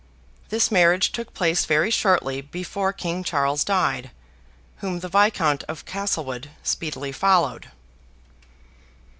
This marriage took place very shortly before King Charles died: whom the Viscount of Castlewood speedily followed.